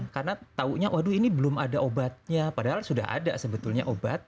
karena tahunya waduh ini belum ada obatnya padahal sudah ada sebetulnya obat